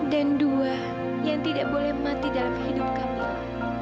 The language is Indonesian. dan dua yang tidak boleh mati dalam hidup kamilah